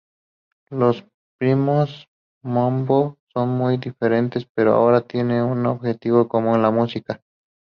Los primos Mambo son muy diferentes pero ahora tienen un objetivo común: la música.